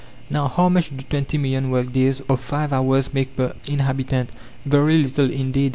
Now, how much do twenty million work days of five hours make per inhabitant? Very little indeed.